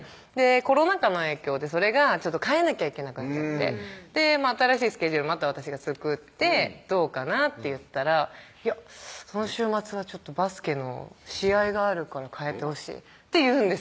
コロナ禍の影響でそれが変えなきゃいけなくなっちゃって新しいスケジュールまた私が作って「どうかな？」って言ったら「いやその週末はちょっとバスケの試合があるから変えてほしい」って言うんですよ